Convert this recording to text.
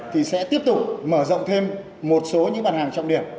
thì sẽ tiếp tục mở rộng thêm một số những bản hàng trọng điểm